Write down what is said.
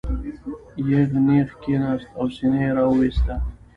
یغ نېغ کېناست او سینه یې را وویسته.